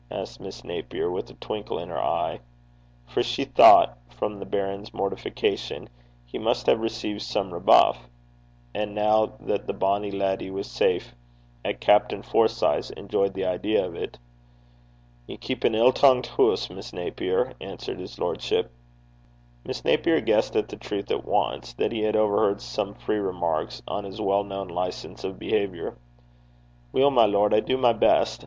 asked Miss Napier, with a twinkle in her eyes, for she thought, from the baron's mortification, he must have received some rebuff, and now that the bonnie leddy was safe at Captain Forsyth's, enjoyed the idea of it. 'Ye keep an ill tongued hoose, Miss Naper,' answered his lordship. Miss Napier guessed at the truth at once that he had overheard some free remarks on his well known licence of behaviour. 'Weel, my lord, I do my best.